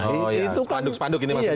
oh iya sepanduk sepanduk ini maksudnya